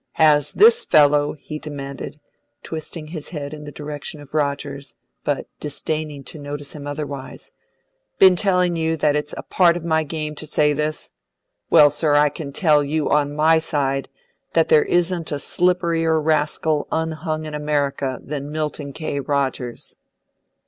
"Has this fellow," he demanded, twisting his head in the direction of Rogers, but disdaining to notice him otherwise, "been telling you that it's part of my game to say this? Well, sir, I can tell you, on my side, that there isn't a slipperier rascal unhung in America than Milton K. Rogers!"